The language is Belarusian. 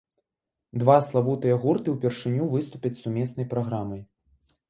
Два славутыя гурты ўпершыню выступяць з сумеснай праграмай.